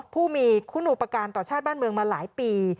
ผู้มีคุณอุปการณ์ต่อชาติบ้านเมืองมาหลายปี